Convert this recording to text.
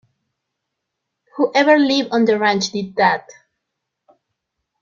Whoever lived on the ranch did that.